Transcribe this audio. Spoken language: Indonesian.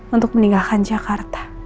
untuk meninggalkan jakarta